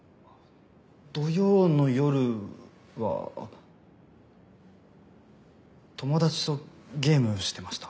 土曜の夜は友達とゲームしてました。